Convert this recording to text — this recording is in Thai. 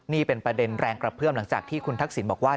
นี่เป็นประเด็นแรงกระเพื่อมหลังจากที่คุณทักษิณบอกว่า